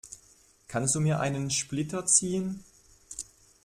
Kannst du mir einen Splitter ziehen?